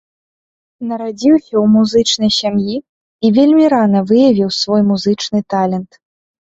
Нарадзіўся ў музычнай сям'і і вельмі рана выявіў свой музычны талент.